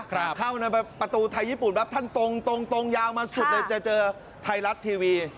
เข้ามาในประตูไทยญี่ปุ่นปั๊บท่านตรงตรงยาวมาสุดเลยจะเจอไทยรัฐทีวี